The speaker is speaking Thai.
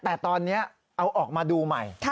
แต่ตอนนี้เอาออกมาดูใหม่